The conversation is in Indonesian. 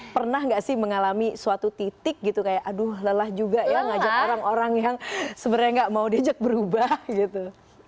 pernah nggak sih mengalami suatu titik gitu kayak aduh lelah juga ya ngajak orang orang yang sebenarnya nggak mau diajak berubah gitu